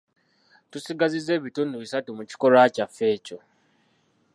Tusigazizza ebitundu bisatu mu kikolwa kyaffe ekyo.